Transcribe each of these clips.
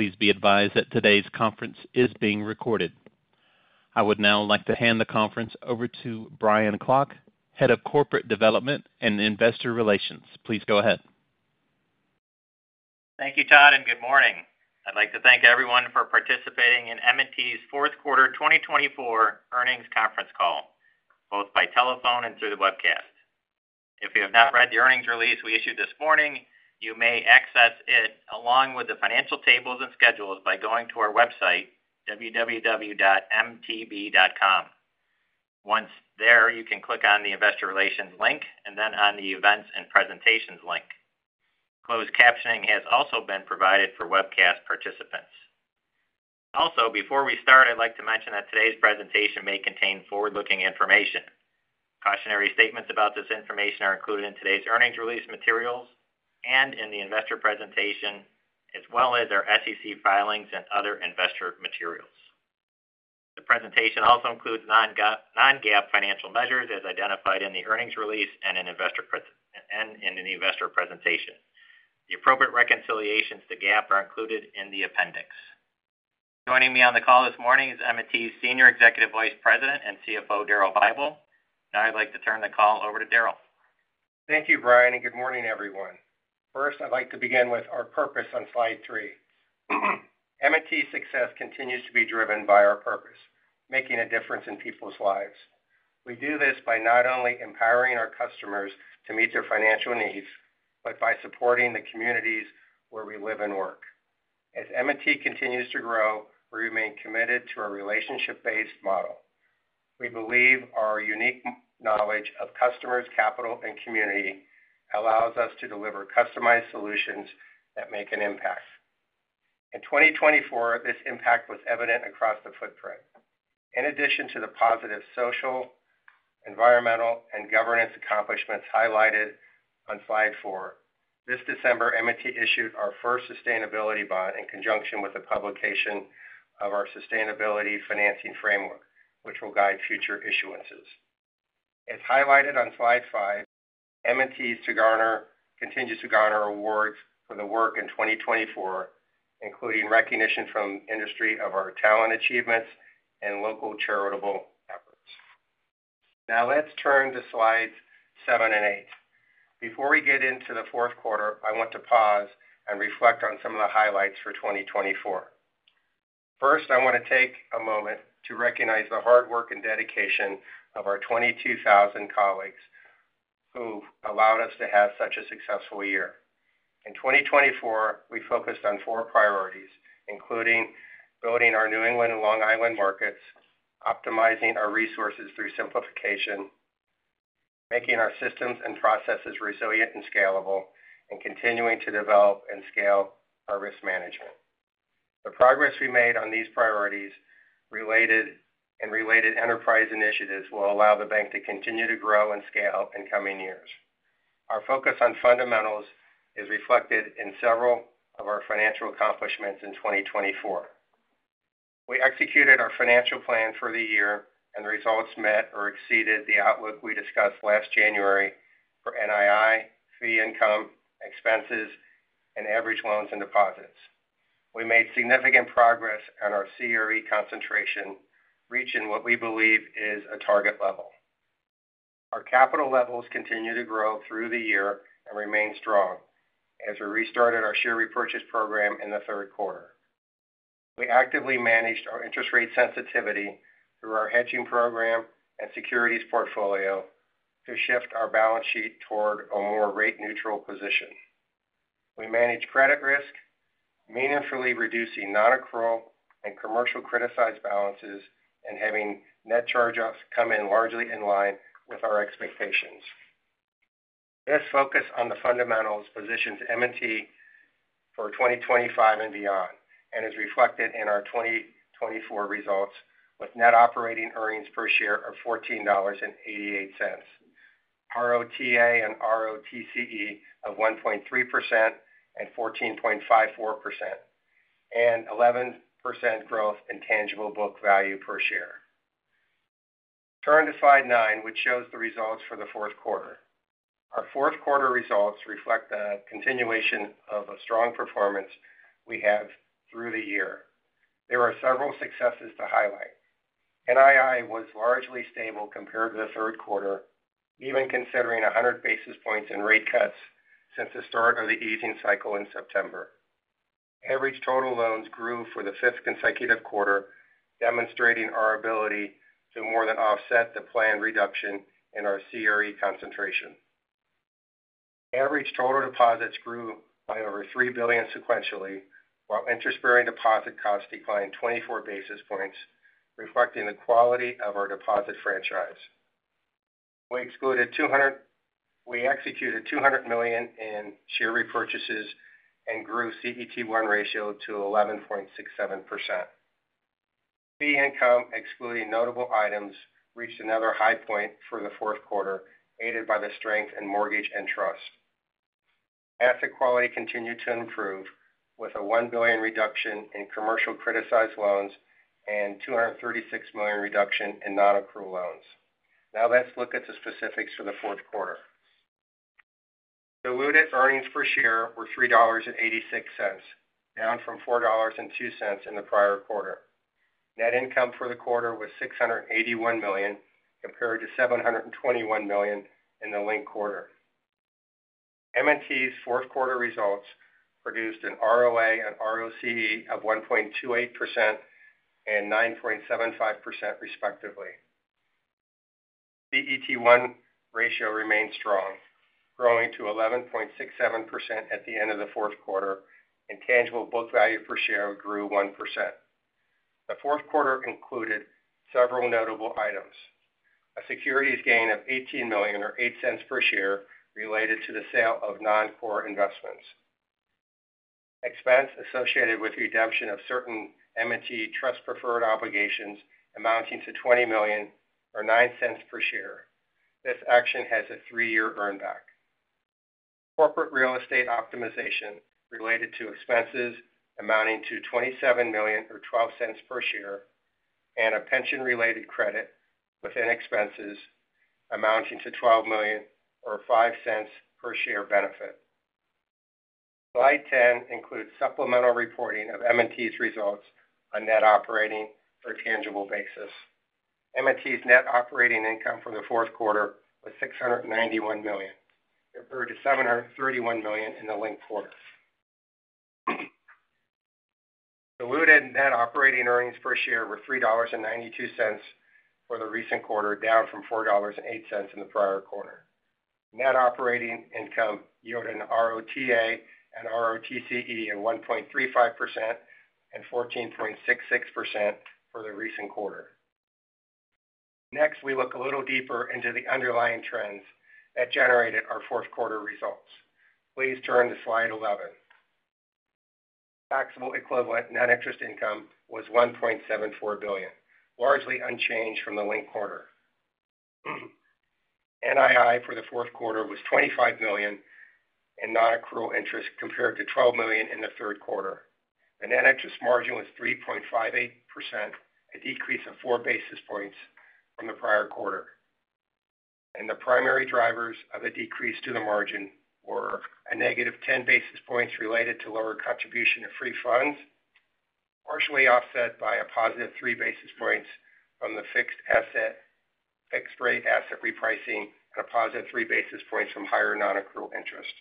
Please be advised that today's conference is being recorded. I would now like to hand the conference over to Brian Klock, Head of Corporate Development and Investor Relations. Please go ahead. Thank you, Todd, and good morning. I'd like to thank everyone for participating in M&T's fourth quarter 2024 earnings conference call, both by telephone and through the webcast. If you have not read the earnings release we issued this morning, you may access it along with the financial tables and schedules by going to our website, www.mtb.com. Once there, you can click on the Investor Relations link and then on the Events and Presentations link. Closed captioning has also been provided for webcast participants. Also, before we start, I'd like to mention that today's presentation may contain forward-looking information. Cautionary statements about this information are included in today's earnings release materials and in the investor presentation, as well as our SEC filings and other investor materials. The presentation also includes non-GAAP financial measures as identified in the earnings release and in the investor presentation. The appropriate reconciliations to GAAP are included in the appendix. Joining me on the call this morning is M&T's Senior Executive Vice President and CFO, Daryl Bible, and I'd like to turn the call over to Daryl. Thank you, Brian, and good morning, everyone. First, I'd like to begin with our purpose on slide three. M&T's success continues to be driven by our purpose: making a difference in people's lives. We do this by not only empowering our customers to meet their financial needs, but by supporting the communities where we live and work. As M&T continues to grow, we remain committed to a relationship-based model. We believe our unique knowledge of customers, capital, and community allows us to deliver customized solutions that make an impact. In 2024, this impact was evident across the footprint. In addition to the positive social, environmental, and governance accomplishments highlighted on slide four, this December, M&T issued our first sustainability bond in conjunction with the publication of our sustainability financing framework, which will guide future issuances. As highlighted on slide five, M&T continues to garner awards for the work in 2024, including recognition from the industry of our talent achievements and local charitable efforts. Now, let's turn to slides seven and eight. Before we get into the fourth quarter, I want to pause and reflect on some of the highlights for 2024. First, I want to take a moment to recognize the hard work and dedication of our 22,000 colleagues who allowed us to have such a successful year. In 2024, we focused on four priorities, including building our New England and Long Island markets, optimizing our resources through simplification, making our systems and processes resilient and scalable, and continuing to develop and scale our risk management. The progress we made on these priorities and related enterprise initiatives will allow the bank to continue to grow and scale in coming years. Our focus on fundamentals is reflected in several of our financial accomplishments in 2024. We executed our financial plan for the year, and the results met or exceeded the outlook we discussed last January for NII, fee income, expenses, and average loans and deposits. We made significant progress on our CRE concentration, reaching what we believe is a target level. Our capital levels continue to grow through the year and remain strong as we restarted our share repurchase program in the third quarter. We actively managed our interest rate sensitivity through our hedging program and securities portfolio to shift our balance sheet toward a more rate-neutral position. We managed credit risk, meaningfully reducing non-accrual and commercial-criticized balances and having net charge-offs come in largely in line with our expectations. This focus on the fundamentals positions M&T for 2025 and beyond and is reflected in our 2024 results with net operating earnings per share of $14.88, ROTA and ROTCE of 1.3% and 14.54%, and 11% growth in tangible book value per share. Turn to slide nine, which shows the results for the fourth quarter. Our fourth quarter results reflect the continuation of a strong performance we have through the year. There are several successes to highlight. NII was largely stable compared to the third quarter, even considering 100 basis points in rate cuts since the start of the easing cycle in September. Average total loans grew for the fifth consecutive quarter, demonstrating our ability to more than offset the planned reduction in our CRE concentration. Average total deposits grew by over $3 billion sequentially, while interest-bearing deposit costs declined 24 basis points, reflecting the quality of our deposit franchise. We executed $200 million in share repurchases and grew CET1 ratio to 11.67%. Fee income, excluding notable items, reached another high point for the fourth quarter, aided by the strength in mortgage and trust. Asset quality continued to improve with a $1 billion reduction in commercial criticized loans and a $236 million reduction in non-accrual loans. Now, let's look at the specifics for the fourth quarter. Diluted earnings per share were $3.86, down from $4.02 in the prior quarter. Net income for the quarter was $681 million, compared to $721 million in the linked quarter. M&T's fourth quarter results produced an ROA and ROCE of 1.28% and 9.75%, respectively. CET1 ratio remained strong, growing to 11.67% at the end of the fourth quarter, and tangible book value per share grew 1%. The fourth quarter included several notable items: a securities gain of $18 million, or $0.08 per share, related to the sale of non-core investments. Expense associated with redemption of certain M&T trust-preferred obligations amounting to $20 million, or $0.09 per share. This action has a three-year earnback. Corporate real estate optimization related to expenses amounting to $27 million, or $0.12 per share, and a pension-related credit within expenses amounting to $12 million, or $0.05 per share benefit. Slide 10 includes supplemental reporting of M&T's results on net operating or tangible basis. M&T's net operating income for the fourth quarter was $691 million, compared to $731 million in the linked quarter. Diluted net operating earnings per share were $3.92 for the recent quarter, down from $4.08 in the prior quarter. Net operating income yielded an ROTA and ROTCE of 1.35% and 14.66% for the recent quarter. Next, we look a little deeper into the underlying trends that generated our fourth quarter results. Please turn to slide 11. Taxable equivalent net interest income was $1.74 billion, largely unchanged from the linked quarter. NII for the fourth quarter was $25 million in non-accrual interest, compared to $12 million in the third quarter. The net interest margin was 3.58%, a decrease of four basis points from the prior quarter, and the primary drivers of the decrease to the margin were a negative 10 basis points related to lower contribution to free funds, partially offset by a positive three basis points from the fixed asset fixed-rate asset repricing, and a positive three basis points from higher non-accrual interest.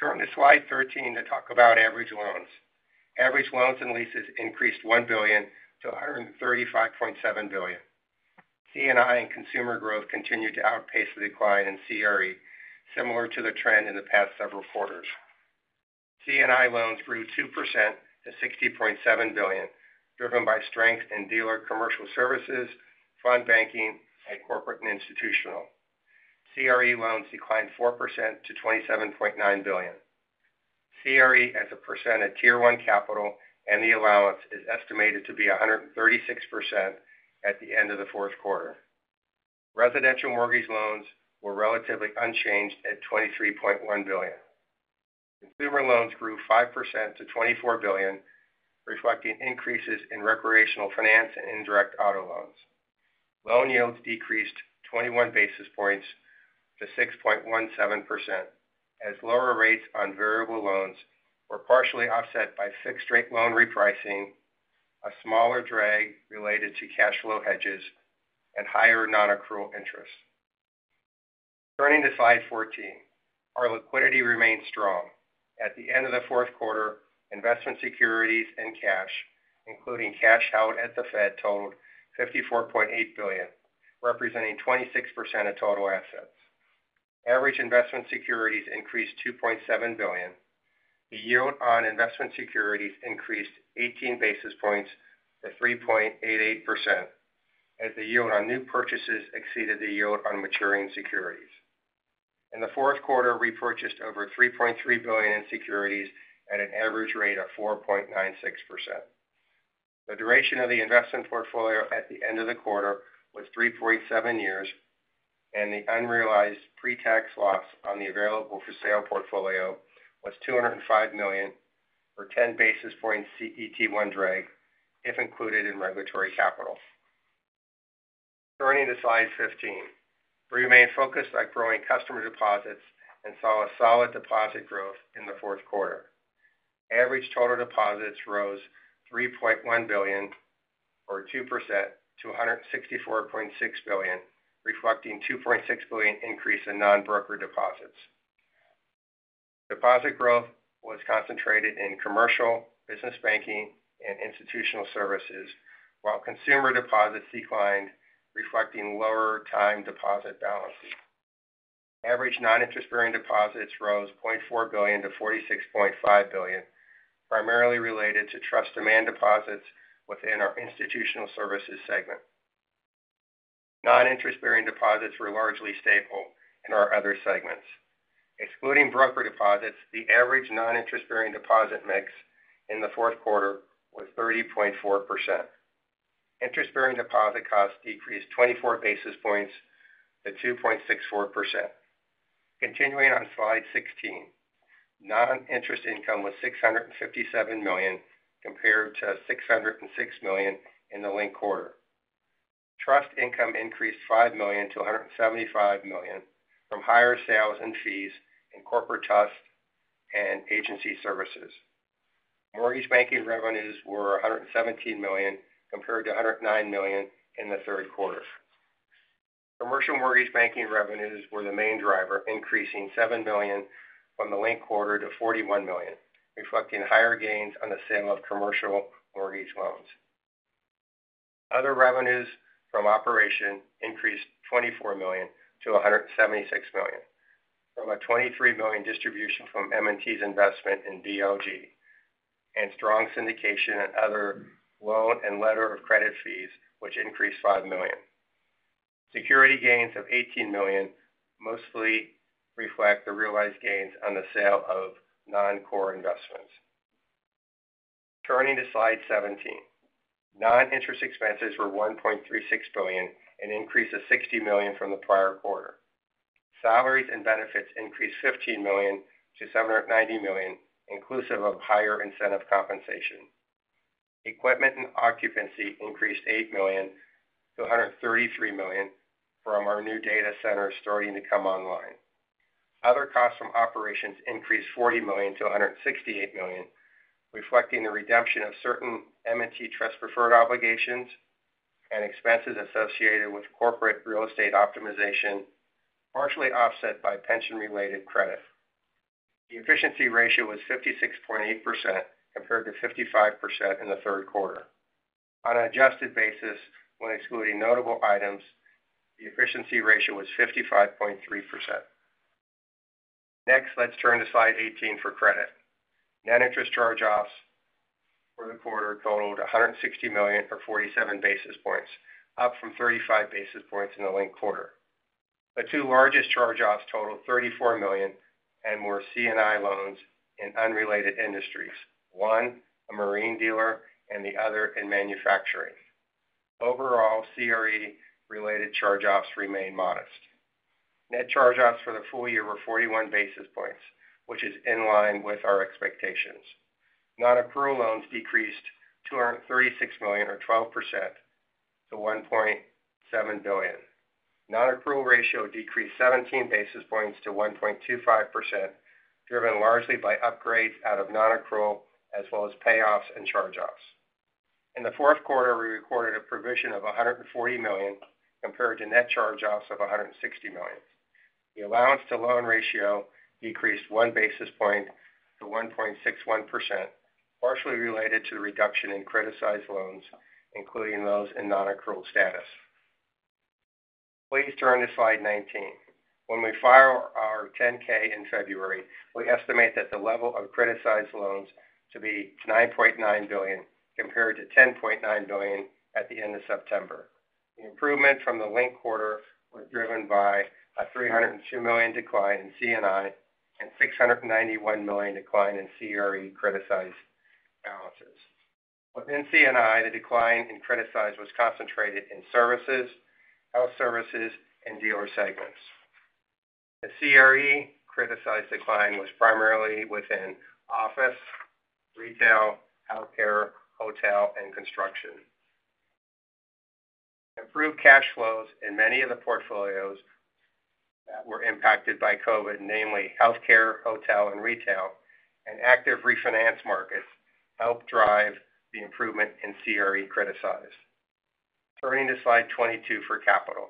Turn to slide 13 to talk about average loans. Average loans and leases increased $1 billion to $135.7 billion. C&I and consumer growth continued to outpace the decline in CRE, similar to the trend in the past several quarters. C&I loans grew 2% to $60.7 billion, driven by strength in dealer commercial services, fund banking, and corporate and institutional. CRE loans declined 4% to $27.9 billion. CRE, as a % of Tier 1 capital, and the allowance is estimated to be 136% at the end of the fourth quarter. Residential mortgage loans were relatively unchanged at $23.1 billion. Consumer loans grew 5% to $24 billion, reflecting increases in recreational finance and indirect auto loans. Loan yields decreased 21 basis points to 6.17%, as lower rates on variable loans were partially offset by fixed-rate loan repricing, a smaller drag related to cash flow hedges, and higher non-accrual interest. Turning to slide 14, our liquidity remained strong. At the end of the fourth quarter, investment securities and cash, including cash held at the Fed, totaled $54.8 billion, representing 26% of total assets. Average investment securities increased $2.7 billion. The yield on investment securities increased 18 basis points to 3.88%, as the yield on new purchases exceeded the yield on maturing securities. In the fourth quarter, we purchased over $3.3 billion in securities at an average rate of 4.96%. The duration of the investment portfolio at the end of the quarter was 3.7 years, and the unrealized pre-tax loss on the available-for-sale portfolio was $205 million, or 10 basis points CET1 drag, if included in regulatory capital. Turning to slide 15, we remained focused on growing customer deposits and saw a solid deposit growth in the fourth quarter. Average total deposits rose $3.1 billion, or 2%, to $164.6 billion, reflecting a $2.6 billion increase in non-broker deposits. Deposit growth was concentrated in commercial, business banking, and institutional services, while consumer deposits declined, reflecting lower time deposit balances. Average non-interest-bearing deposits rose $0.4 billion to $46.5 billion, primarily related to trust demand deposits within our institutional services segment. Non-interest-bearing deposits were largely stable in our other segments. Excluding broker deposits, the average non-interest-bearing deposit mix in the fourth quarter was 30.4%. Interest-bearing deposit costs decreased 24 basis points to 2.64%. Continuing on slide 16, non-interest income was $657 million, compared to $606 million in the linked quarter. Trust income increased $5 million to $175 million from higher sales and fees in corporate trust and agency services. Mortgage banking revenues were $117 million, compared to $109 million in the third quarter. Commercial mortgage banking revenues were the main driver, increasing $7 million from the linked quarter to $41 million, reflecting higher gains on the sale of commercial mortgage loans. Other revenues from operations increased $24 million to $176 million, from a $23 million distribution from M&T's investment in BLG and strong syndication and other loan and letter of credit fees, which increased $5 million. Security gains of $18 million mostly reflect the realized gains on the sale of non-core investments. Turning to slide 17, non-interest expenses were $1.36 billion, an increase of $60 million from the prior quarter. Salaries and benefits increased $15 million to $790 million, inclusive of higher incentive compensation. Equipment and occupancy increased $8 million to $133 million from our new data center starting to come online. Other costs from operations increased $40 million to $168 million, reflecting the redemption of certain M&T trust-preferred obligations and expenses associated with corporate real estate optimization, partially offset by pension-related credit. The efficiency ratio was 56.8%, compared to 55% in the third quarter. On an adjusted basis, when excluding notable items, the efficiency ratio was 55.3%. Next, let's turn to slide 18 for credit. Net charge-offs for the quarter totaled $160 million, or 47 basis points, up from 35 basis points in the linked quarter. The two largest charge-offs totaled $34 million and were C&I loans in unrelated industries, one a marine dealer and the other in manufacturing. Overall, CRE-related charge-offs remained modest. Net charge-offs for the full year were 41 basis points, which is in line with our expectations. Non-accrual loans decreased $236 million, or 12%, to $1.7 billion. Non-accrual ratio decreased 17 basis points to 1.25%, driven largely by upgrades out of non-accrual, as well as payoffs and charge-offs. In the fourth quarter, we recorded a provision of $140 million, compared to net charge-offs of $160 million. The allowance-to-loan ratio decreased one basis point to 1.61%, partially related to the reduction in criticized loans, including those in non-accrual status. Please turn to slide 19. When we file our 10-K in February, we estimate that the level of criticized loans to be $9.9 billion, compared to $10.9 billion at the end of September. The improvement from the linked quarter was driven by a $302 million decline in C&I and $691 million decline in CRE criticized balances. Within CNI, the decline in criticized was concentrated in services, health services, and dealer segments. The CRE criticized decline was primarily within office, retail, healthcare, hotel, and construction. Improved cash flows in many of the portfolios that were impacted by COVID, namely healthcare, hotel, and retail, and active refinance markets helped drive the improvement in CRE criticized. Turning to slide 22 for capital.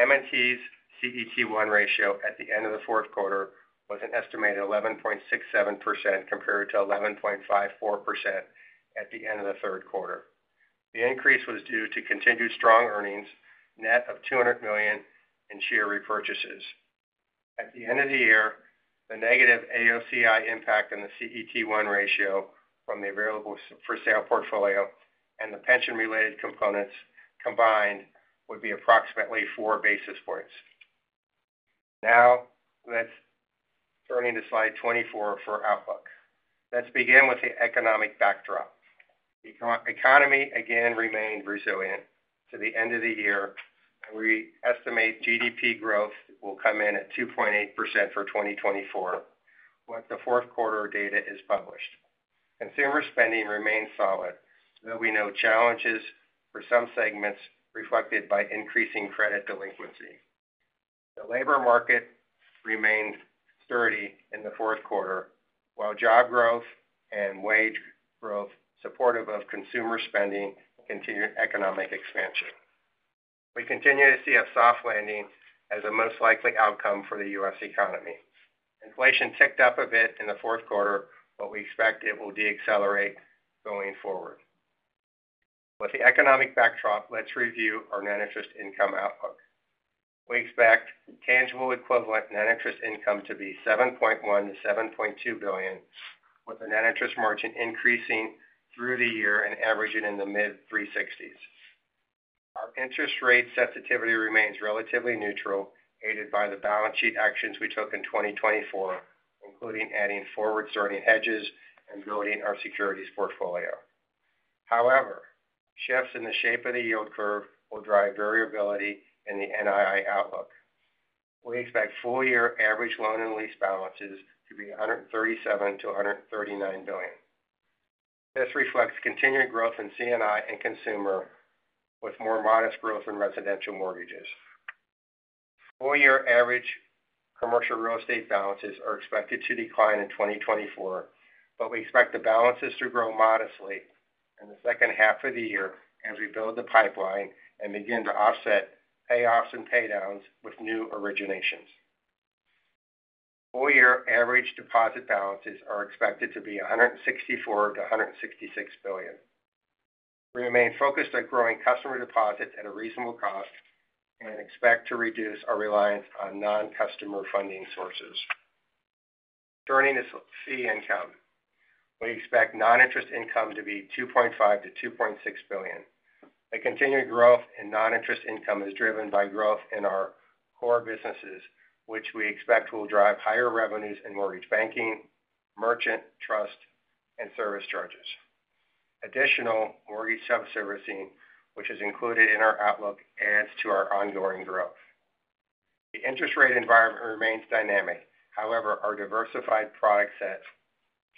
M&T's CET1 ratio at the end of the fourth quarter was an estimated 11.67%, compared to 11.54% at the end of the third quarter. The increase was due to continued strong earnings, net of $200 million in share repurchases. At the end of the year, the negative AOCI impact on the CET1 ratio from the available-for-sale portfolio and the pension-related components combined would be approximately four basis points. Now, let's turn to slide 24 for outlook. Let's begin with the economic backdrop. The economy again remained resilient to the end of the year, and we estimate GDP growth will come in at 2.8% for 2024 when the fourth quarter data is published. Consumer spending remained solid, though we know challenges for some segments reflected by increasing credit delinquency. The labor market remained sturdy in the fourth quarter, while job growth and wage growth were supportive of consumer spending and continued economic expansion. We continue to see a soft landing as a most likely outcome for the U.S. economy. Inflation ticked up a bit in the fourth quarter, but we expect it will decelerate going forward. With the economic backdrop, let's review our net interest income outlook. We expect tangible equivalent net interest income to be $7.1-$7.2 billion, with the net interest margin increasing through the year and averaging in the mid-360s. Our interest rate sensitivity remains relatively neutral, aided by the balance sheet actions we took in 2024, including adding forward-starting hedges and building our securities portfolio. However, shifts in the shape of the yield curve will drive variability in the NII outlook. We expect full-year average loan and lease balances to be $137-$139 billion. This reflects continued growth in C&I and consumer, with more modest growth in residential mortgages. Full-year average commercial real estate balances are expected to decline in 2024, but we expect the balances to grow modestly in the second half of the year as we build the pipeline and begin to offset payoffs and paydowns with new originations. Full-year average deposit balances are expected to be $164-$166 billion. We remain focused on growing customer deposits at a reasonable cost and expect to reduce our reliance on non-customer funding sources. Turning to fee income, we expect non-interest income to be $2.5-$2.6 billion. The continued growth in non-interest income is driven by growth in our core businesses, which we expect will drive higher revenues in mortgage banking, merchant trust, and service charges. Additional mortgage self-servicing, which is included in our outlook, adds to our ongoing growth. The interest rate environment remains dynamic. However, our diversified product set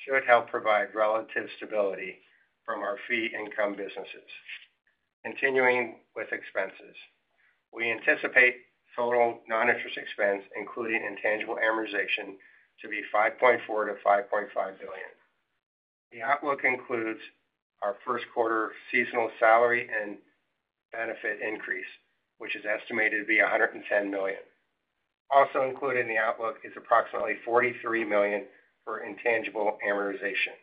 should help provide relative stability from our fee income businesses. Continuing with expenses, we anticipate total non-interest expense, including intangible amortization, to be $5.4-$5.5 billion. The outlook includes our first quarter seasonal salary and benefit increase, which is estimated to be $110 million. Also included in the outlook is approximately $43 million for intangible amortization.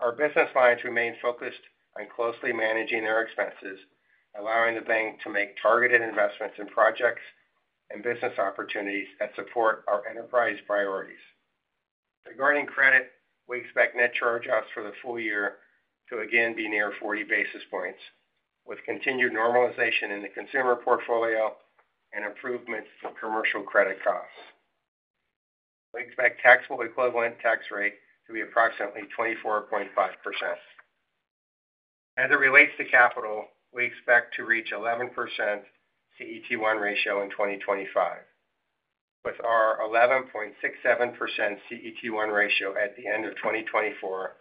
Our business lines remain focused on closely managing their expenses, allowing the bank to make targeted investments in projects and business opportunities that support our enterprise priorities. Regarding credit, we expect net charge-offs for the full year to again be near 40 basis points, with continued normalization in the consumer portfolio and improvements in commercial credit costs. We expect taxable equivalent tax rate to be approximately 24.5%. As it relates to capital, we expect to reach 11% CET1 ratio in 2025. With our 11.67% CET1 ratio at the end of 2024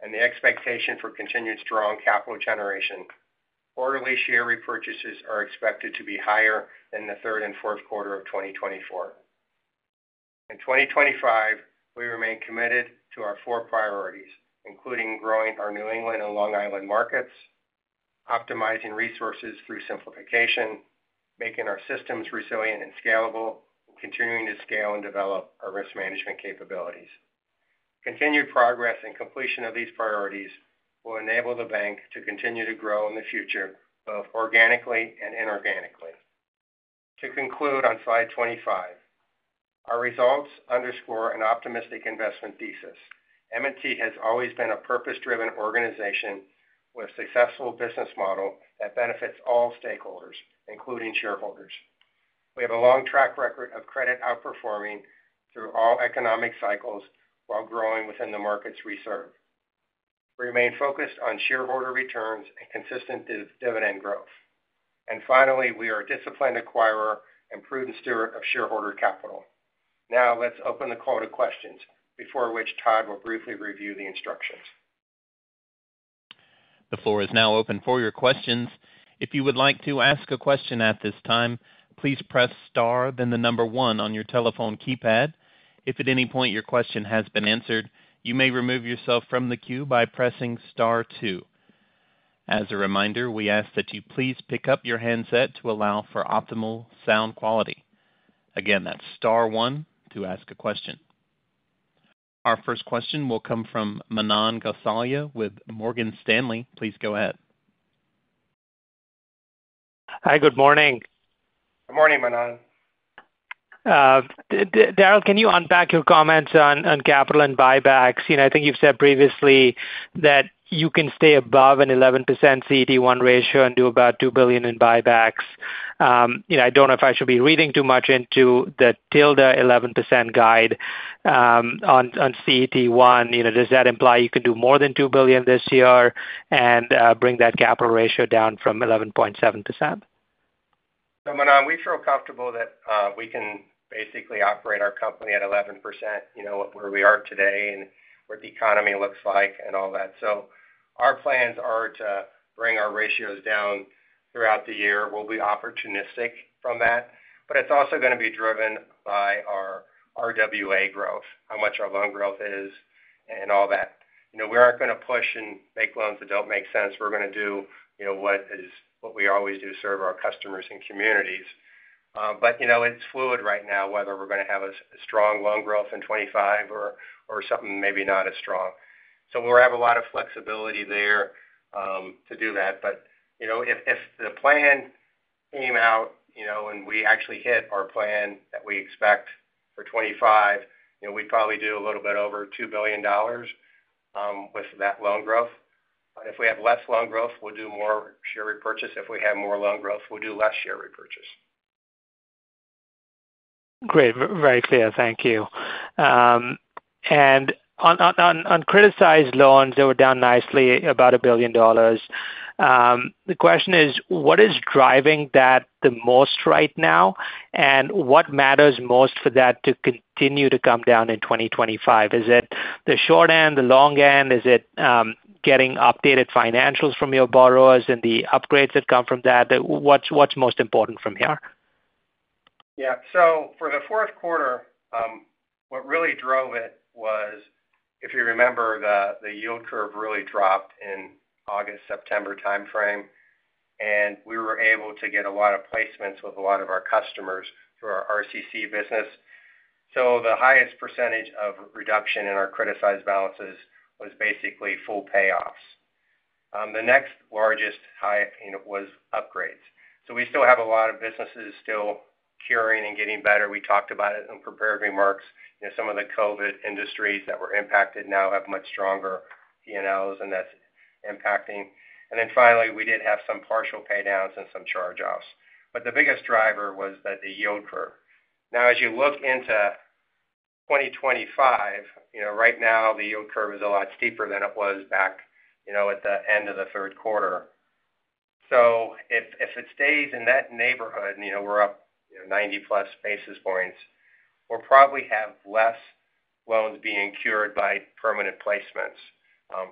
and the expectation for continued strong capital generation, quarterly share repurchases are expected to be higher in the third and fourth quarter of 2024. In 2025, we remain committed to our four priorities, including growing our New England and Long Island markets, optimizing resources through simplification, making our systems resilient and scalable, and continuing to scale and develop our risk management capabilities. Continued progress and completion of these priorities will enable the bank to continue to grow in the future, both organically and inorganically. To conclude on slide 25, our results underscore an optimistic investment thesis. M&T has always been a purpose-driven organization with a successful business model that benefits all stakeholders, including shareholders. We have a long track record of credit outperforming through all economic cycles while growing within the markets we serve. We remain focused on shareholder returns and consistent dividend growth. And finally, we are a disciplined acquirer and prudent steward of shareholder capital. Now, let's open the call to questions, before which Todd will briefly review the instructions. The floor is now open for your questions. If you would like to ask a question at this time, please press Star, then the number one on your telephone keypad. If at any point your question has been answered, you may remove yourself from the queue by pressing Star 2. As a reminder, we ask that you please pick up your handset to allow for optimal sound quality. Again, that's Star 1 to ask a question. Our first question will come from Manan Gosalia with Morgan Stanley. Please go ahead. Hi, good morning. Good morning, Manan. Daryl, can you unpack your comments on capital and buybacks? I think you've said previously that you can stay above an 11% CET1 ratio and do about $2 billion in buybacks. I don't know if I should be reading too much into the tilde 11% guide on CET1. Does that imply you can do more than $2 billion this year and bring that capital ratio down from 11.7%? So, Manan, we feel comfortable that we can basically operate our company at 11%, where we are today and what the economy looks like and all that. So our plans are to bring our ratios down throughout the year. We'll be opportunistic from that, but it's also going to be driven by our RWA growth, how much our loan growth is and all that. We aren't going to push and make loans that don't make sense. We're going to do what we always do, serve our customers and communities, but it's fluid right now, whether we're going to have a strong loan growth in 2025 or something maybe not as strong. So we'll have a lot of flexibility there to do that, but if the plan came out and we actually hit our plan that we expect for 2025, we'd probably do a little bit over $2 billion with that loan growth, but if we have less loan growth, we'll do more share repurchase. If we have more loan growth, we'll do less share repurchase. Great. Very clear. Thank you, and on criticized loans, they were down nicely, about $1 billion. The question is, what is driving that the most right now, and what matters most for that to continue to come down in 2025? Is it the short end, the long end? Is it getting updated financials from your borrowers and the upgrades that come from that? What's most important from here? Yeah. So for the fourth quarter, what really drove it was, if you remember, the yield curve really dropped in August, September timeframe, and we were able to get a lot of placements with a lot of our customers for our RCC business. So the highest percentage of reduction in our criticized balances was basically full payoffs. The next largest high was upgrades. So we still have a lot of businesses still curing and getting better. We talked about it in preparatory remarks. Some of the COVID industries that were impacted now have much stronger P&Ls, and that's impacting. And then finally, we did have some partial paydowns and some charge-offs, but the biggest driver was the yield curve. Now, as you look into 2025, right now, the yield curve is a lot steeper than it was back at the end of the third quarter. So if it stays in that neighborhood, we're up 90-plus basis points, we'll probably have less loans being cured by permanent placements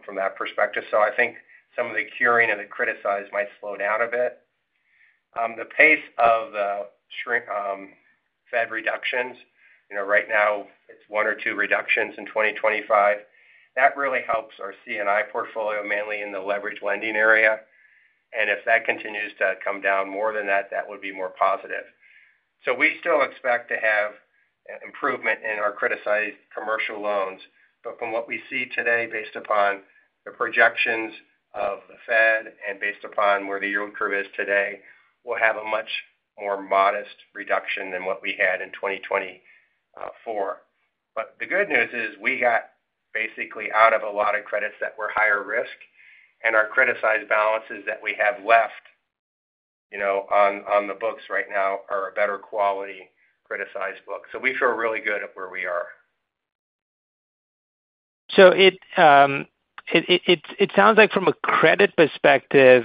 from that perspective. So I think some of the curing and the criticized might slow down a bit. The pace of the Fed reductions, right now, it's one or two reductions in 2025. That really helps our C&I portfolio, mainly in the leveraged lending area. And if that continues to come down more than that, that would be more positive. So we still expect to have improvement in our criticized commercial loans. But from what we see today, based upon the projections of the Fed and based upon where the yield curve is today, we'll have a much more modest reduction than what we had in 2024. But the good news is we got basically out of a lot of credits that were higher risk, and our criticized balances that we have left on the books right now are a better quality criticized book. So we feel really good at where we are. So it sounds like from a credit perspective,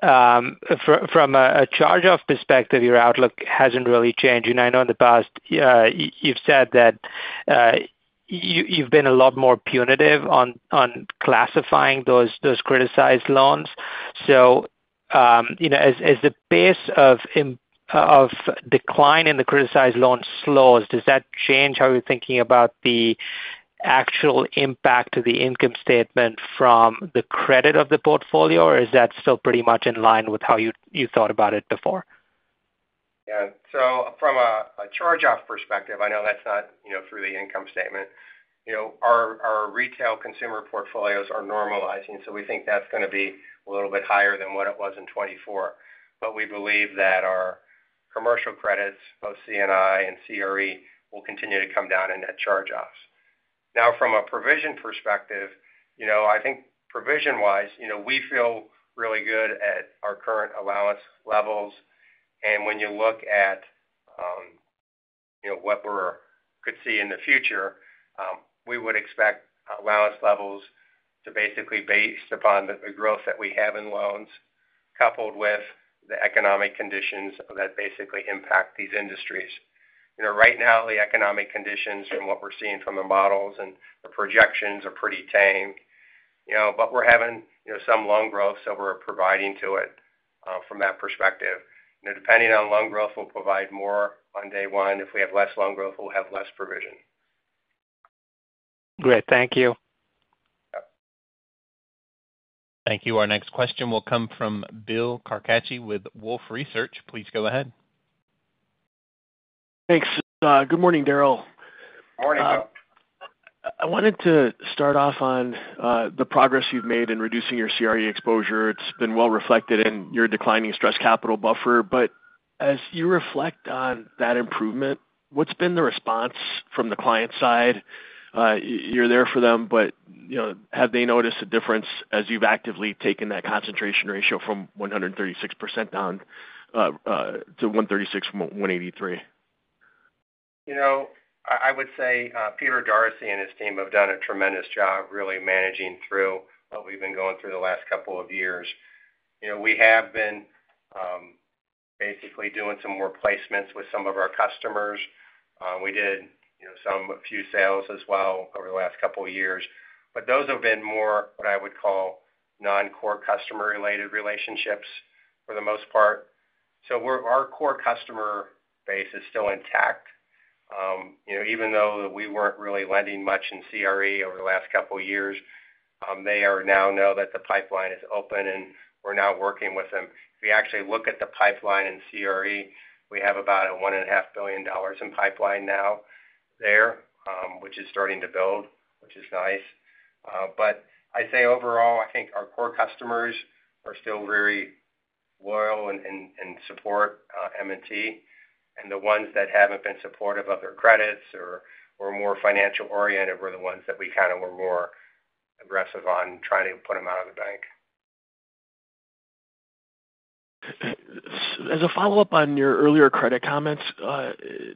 from a charge-off perspective, your outlook hasn't really changed. And I know in the past you've said that you've been a lot more punitive on classifying those criticized loans. So as the pace of decline in the criticized loans slows, does that change how you're thinking about the actual impact of the income statement from the credit of the portfolio, or is that still pretty much in line with how you thought about it before? Yeah. So from a charge-off perspective, I know that's not through the income statement. Our retail consumer portfolios are normalizing, so we think that's going to be a little bit higher than what it was in 2024. But we believe that our commercial credits, both CNI and CRE, will continue to come down in net charge-offs. Now, from a provision perspective, I think provision-wise, we feel really good at our current allowance levels. And when you look at what we could see in the future, we would expect allowance levels to basically be based upon the growth that we have in loans, coupled with the economic conditions that basically impact these industries. Right now, the economic conditions from what we're seeing from the models and the projections are pretty tame. But we're having some loan growth, so we're provisioning to it from that perspective. Depending on loan growth, we'll provision more on day one. If we have less loan growth, we'll have less provision. Great. Thank you. Thank you. Our next question will come from Bill Carcache with Wolfe Research. Please go ahead. Thanks. Good morning, Daryl. Good morning, Manan. I wanted to start off on the progress you've made in reducing your CRE exposure. It's been well reflected in your declining stress capital buffer. But as you reflect on that improvement, what's been the response from the client side? You're there for them, but have they noticed a difference as you've actively taken that concentration ratio from 183% down to 136%? I would say Peter Dorsey and his team have done a tremendous job really managing through what we've been going through the last couple of years. We have been basically doing some more placements with some of our customers. We did a few sales as well over the last couple of years. But those have been more what I would call non-core customer-related relationships for the most part. So our core customer base is still intact. Even though we weren't really lending much in CRE over the last couple of years, they now know that the pipeline is open, and we're now working with them. If you actually look at the pipeline in CRE, we have about a $1.5 billion in pipeline now there, which is starting to build, which is nice. But I'd say overall, I think our core customers are still very loyal and support M&T. And the ones that haven't been supportive of their credits or were more financial-oriented were the ones that we kind of were more aggressive on trying to put them out of the bank. As a follow-up on your earlier credit comments,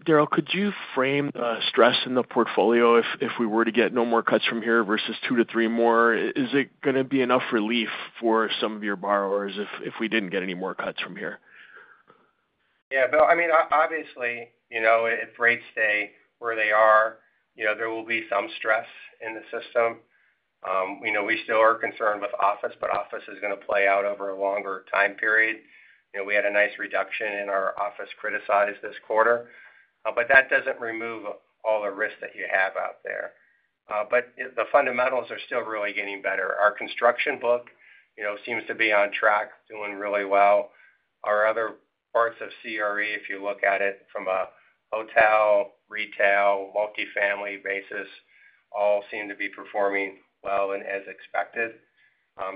Daryl, could you frame the stress in the portfolio if we were to get no more cuts from here versus two to three more? Is it going to be enough relief for some of your borrowers if we didn't get any more cuts from here? Yeah. Well, I mean, obviously, if rates stay where they are, there will be some stress in the system. We still are concerned with office, but office is going to play out over a longer time period. We had a nice reduction in our office criticized this quarter. But that doesn't remove all the risks that you have out there. But the fundamentals are still really getting better. Our construction book seems to be on track, doing really well. Our other parts of CRE, if you look at it from a hotel, retail, multifamily basis, all seem to be performing well and as expected.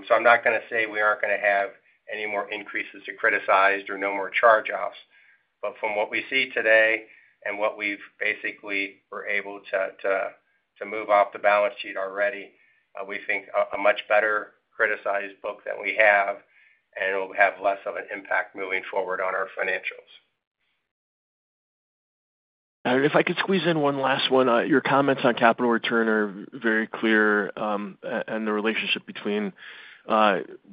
So I'm not going to say we aren't going to have any more increases to criticized or no more charge-offs. But from what we see today and what we've basically were able to move off the balance sheet already, we think a much better criticized book that we have, and it will have less of an impact moving forward on our financials. And if I could squeeze in one last one, your comments on capital return are very clear and the relationship between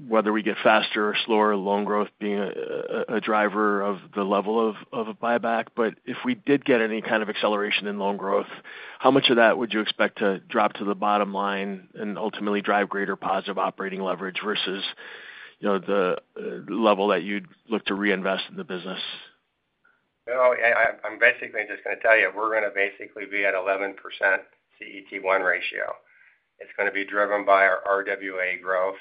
whether we get faster or slower, loan growth being a driver of the level of a buyback. But if we did get any kind of acceleration in loan growth, how much of that would you expect to drop to the bottom line and ultimately drive greater positive operating leverage versus the level that you'd look to reinvest in the business? I'm basically just going to tell you, we're going to basically be at 11% CET1 ratio. It's going to be driven by our RWA growth.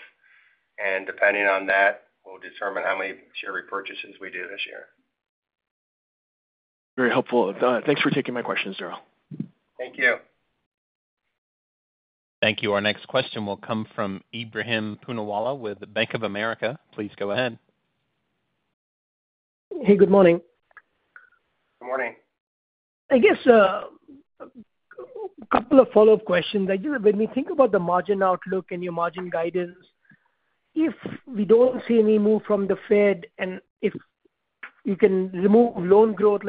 And depending on that, we'll determine how many share repurchases we do this year. Very helpful. Thanks for taking my questions, Daryl. Thank you. Thank you. Our next question will come from Ebrahim Poonawala with Bank of America. Please go ahead. Hey, good morning. Good morning. I guess a couple of follow-up questions. When we think about the margin outlook and your margin guidance, if we don't see any move from the Fed and if you can remove loan growth,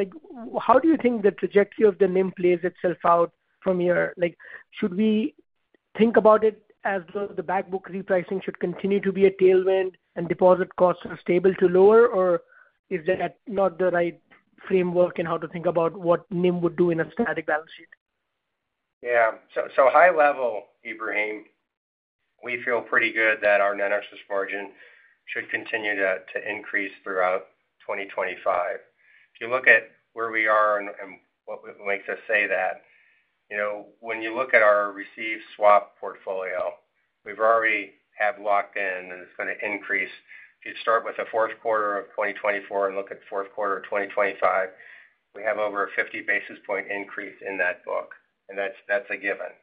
how do you think the trajectory of the NIM plays itself out from here? Should we think about it as though the backbook repricing should continue to be a tailwind and deposit costs are stable to lower, or is that not the right framework in how to think about what NIM would do in a static balance sheet? Yeah. So high level, Ebrahim, we feel pretty good that our net interest margin should continue to increase throughout 2025. If you look at where we are and what makes us say that, when you look at our receive swap portfolio, we've already had locked in, and it's going to increase. If you start with the fourth quarter of 2024 and look at the fourth quarter of 2025, we have over a 50 basis points increase in that book, and that's a given.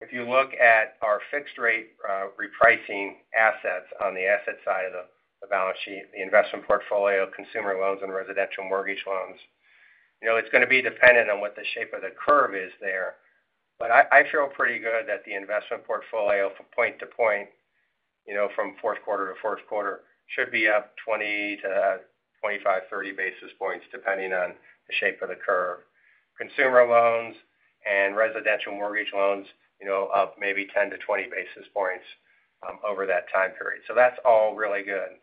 If you look at our fixed-rate repricing assets on the asset side of the balance sheet, the investment portfolio, consumer loans, and residential mortgage loans, it's going to be dependent on what the shape of the curve is there. But I feel pretty good that the investment portfolio from point to point, from fourth quarter to fourth quarter, should be up 20-25, 30 basis points, depending on the shape of the curve. Consumer loans and residential mortgage loans up maybe 10-20 basis points over that time period. So that's all really good.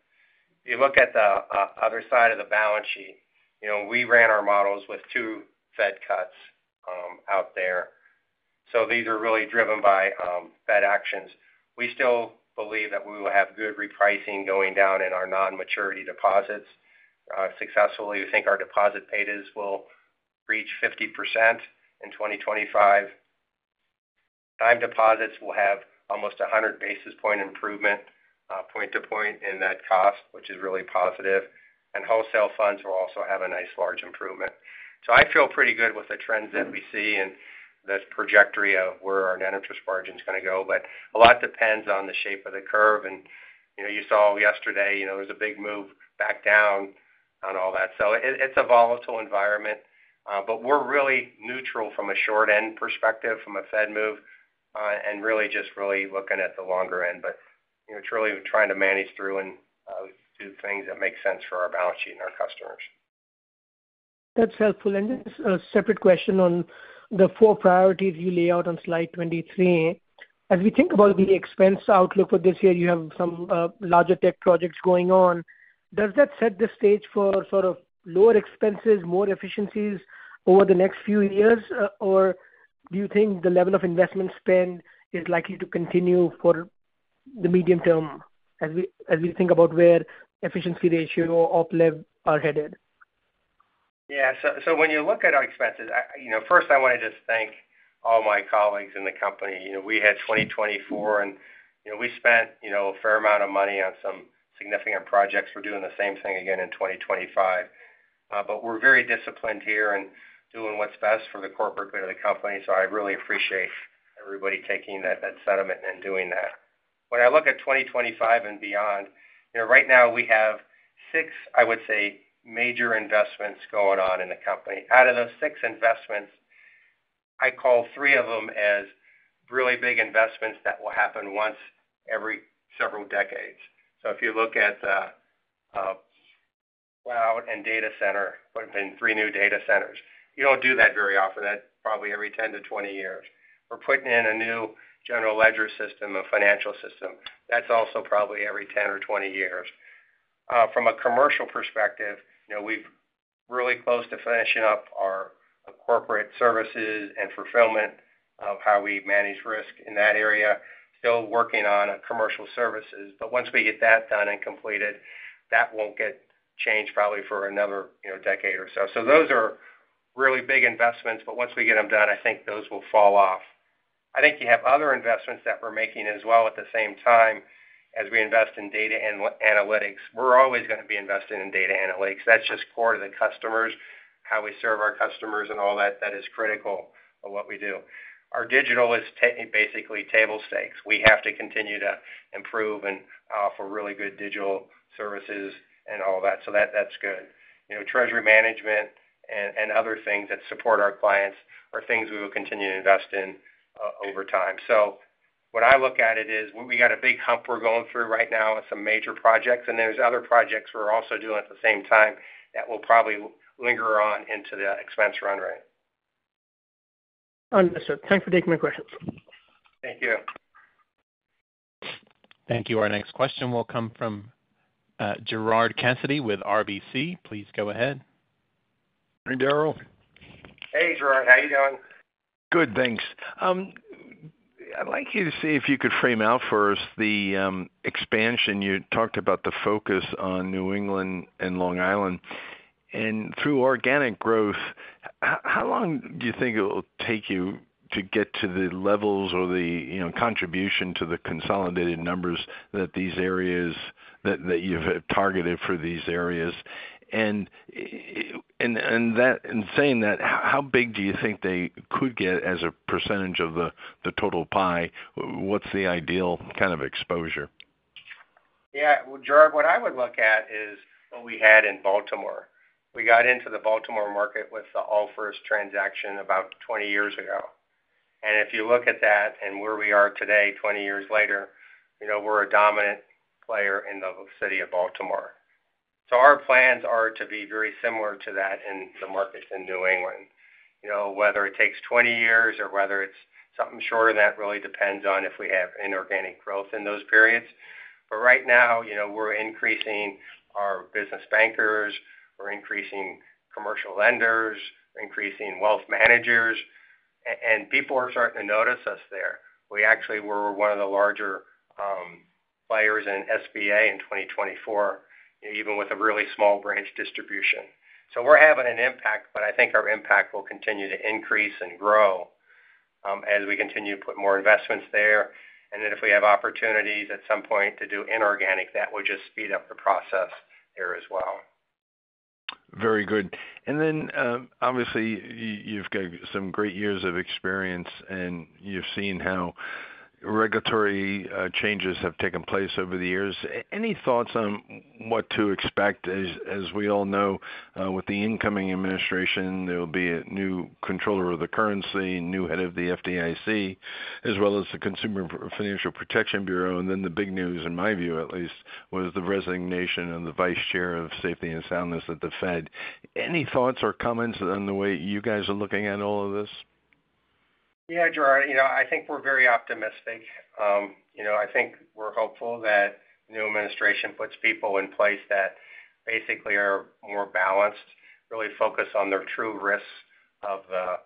If you look at the other side of the balance sheet, we ran our models with two Fed cuts out there. These are really driven by Fed actions. We still believe that we will have good repricing going down in our non-maturity deposits successfully. We think our deposit paydowns will reach 50% in 2025. Time deposits will have almost 100 basis point improvement point to point in that cost, which is really positive. Wholesale funds will also have a nice large improvement. I feel pretty good with the trends that we see and the trajectory of where our net interest margin is going to go. A lot depends on the shape of the curve. You saw yesterday, there's a big move back down on all that. It's a volatile environment. But we're really neutral from a short-end perspective from a Fed move and really just looking at the longer end, but truly trying to manage through and do things that make sense for our balance sheet and our customers. That's helpful. And a separate question on the four priorities you lay out on slide 23. As we think about the expense outlook for this year, you have some larger tech projects going on. Does that set the stage for sort of lower expenses, more efficiencies over the next few years, or do you think the level of investment spend is likely to continue for the medium term as we think about where efficiency ratio or uplift are headed? Yeah. So when you look at our expenses, first, I want to just thank all my colleagues in the company. We had 2024, and we spent a fair amount of money on some significant projects. We're doing the same thing again in 2025. But we're very disciplined here and doing what's best for the corporate good of the company. So I really appreciate everybody taking that sentiment and doing that. When I look at 2025 and beyond, right now, we have six, I would say, major investments going on in the company. Out of those six investments, I call three of them as really big investments that will happen once every several decades. So if you look at the cloud and data center, putting in three new data centers, you don't do that very often. That's probably every 10-20 years. We're putting in a new general ledger system, a financial system. That's also probably every 10-20 years. From a commercial perspective, we're really close to finishing up our corporate services and fulfillment of how we manage risk in that area. Still working on commercial services. But once we get that done and completed, that won't get changed probably for another decade or so. So those are really big investments. But once we get them done, I think those will fall off. I think we have other investments that we're making as well at the same time as we invest in data and analytics. We're always going to be investing in data analytics. That's just core to the customers, how we serve our customers and all that. That is critical to what we do. Our digital is basically table stakes. We have to continue to improve and offer really good digital services and all that. So that's good. Treasury management and other things that support our clients are things we will continue to invest in over time. So when I look at it, we got a big hump we're going through right now with some major projects. And there's other projects we're also doing at the same time that will probably linger on into the expense run rate. Understood. Thanks for taking my questions. Thank you. Thank you. Our next question will come from Gerard Cassidy with RBC. Please go ahead. Hey, Daryl. Hey, Gerard. How are you doing? Good, thanks. I'd like you to see if you could frame out for us the expansion you talked about, the focus on New England and Long Island. And through organic growth, how long do you think it will take you to get to the levels or the contribution to the consolidated numbers that you've targeted for these areas? And in saying that, how big do you think they could get as a percentage of the total pie? What's the ideal kind of exposure? Yeah. Well, Gerard, what I would look at is what we had in Baltimore. We got into the Baltimore market with the Allfirst transaction about 20 years ago. And if you look at that and where we are today, 20 years later, we're a dominant player in the city of Baltimore. So our plans are to be very similar to that in the markets in New England. Whether it takes 20 years or whether it's something shorter, that really depends on if we have inorganic growth in those periods. But right now, we're increasing our business bankers. We're increasing commercial lenders. We're increasing wealth managers. And people are starting to notice us there. We actually were one of the larger players in SBA in 2024, even with a really small branch distribution. So we're having an impact, but I think our impact will continue to increase and grow as we continue to put more investments there. And then if we have opportunities at some point to do inorganic, that will just speed up the process there as well. Very good. And then, obviously, you've got some great years of experience, and you've seen how regulatory changes have taken place over the years. Any thoughts on what to expect as we all know with the incoming administration, there will be a new comptroller of the currency, new head of the FDIC, as well as the Consumer Financial Protection Bureau. And then the big news, in my view at least, was the resignation of the vice chair of safety and soundness at the Fed. Any thoughts or comments on the way you guys are looking at all of this? Yeah, Gerard. I think we're very optimistic. I think we're hopeful that the new administration puts people in place that basically are more balanced, really focused on their true risks of the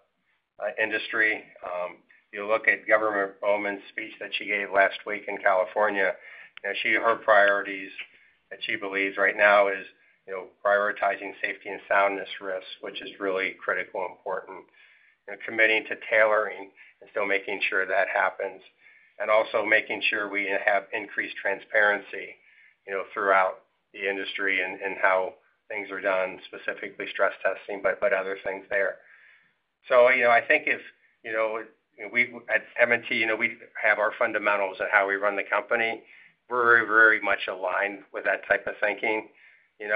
industry. If you look at Governor Bowman's speech that she gave last week in California, her priorities that she believes right now is prioritizing safety and soundness risks, which is really critical and important, and committing to tailoring and still making sure that happens, and also making sure we have increased transparency throughout the industry in how things are done, specifically stress testing, but other things there. So I think if at M&T, we have our fundamentals and how we run the company, we're very, very much aligned with that type of thinking. And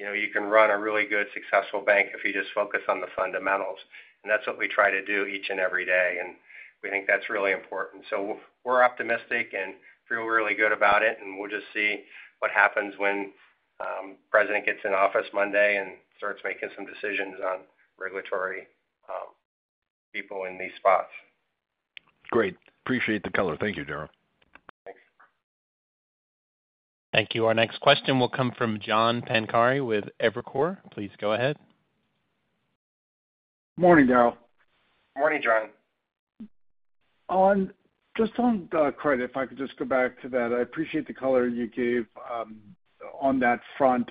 we think you can run a really good, successful bank if you just focus on the fundamentals. And that's what we try to do each and every day. And we think that's really important. So we're optimistic and feel really good about it. And we'll just see what happens when the president gets in office Monday and starts making some decisions on regulatory people in these spots. Great. Appreciate the color. Thank you, Gerard. Thanks. Thank you. Our next question will come from John Pancari with Evercore. Please go ahead. Good morning, Daryl. Good morning, John. Just on credit, if I could just go back to that, I appreciate the color you gave on that front.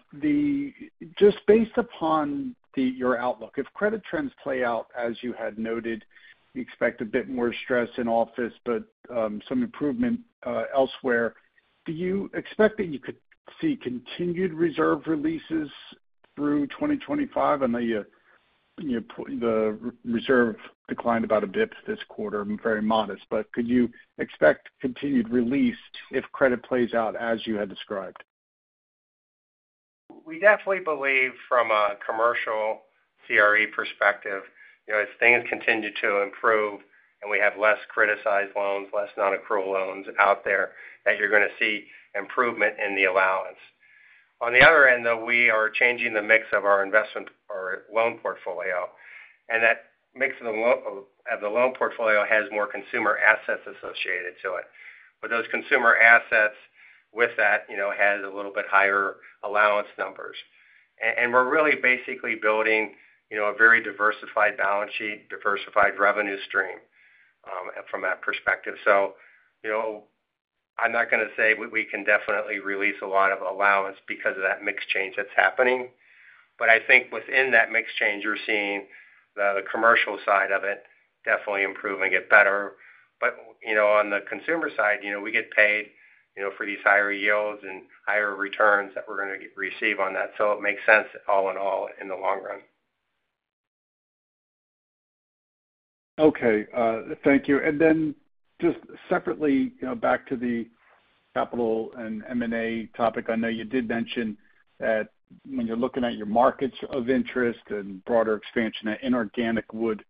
Just based upon your outlook, if credit trends play out, as you had noted, you expect a bit more stress in office, but some improvement elsewhere. Do you expect that you could see continued reserve releases through 2025? I know the reserve declined a bit this quarter, very modest. But could you expect continued release if credit plays out as you had described? We definitely believe from a commercial CRE perspective, as things continue to improve and we have less criticized loans, less non-accrual loans out there, that you're going to see improvement in the allowance. On the other end, though, we are changing the mix of our investment or loan portfolio. And that mix of the loan portfolio has more consumer assets associated to it. But those consumer assets with that have a little bit higher allowance numbers. And we're really basically building a very diversified balance sheet, diversified revenue stream from that perspective. So I'm not going to say we can definitely release a lot of allowance because of that mix change that's happening. But I think within that mix change, you're seeing the commercial side of it definitely improving, get better. But on the consumer side, we get paid for these higher yields and higher returns that we're going to receive on that. So it makes sense all in all in the long run. Okay. Thank you. And then just separately, back to the capital and M&A topic, I know you did mention that when you're looking at your markets of interest and broader expansion, that inorganic would